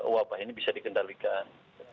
wabah ini bisa dikendalikan